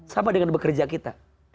sama dengan bekerja kita